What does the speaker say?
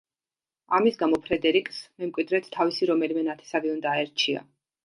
ამის გამო, ფრედერიკს მემკვიდრედ თავისი რომელიმე ნათესავი უნდა აერჩია.